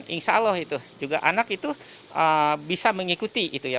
insya allah anak itu bisa mengikuti